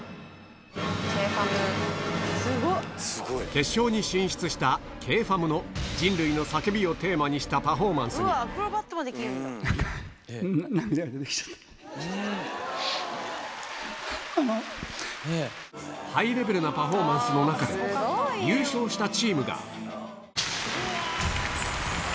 決勝に進出した Ｋｆａｍ の「人類の叫び」をテーマにしたパフォーマンスにハイレベルなパフォーマンスの中で『ＴＨＥＤＡＮＣＥＤＡＹ』のためにご覧ください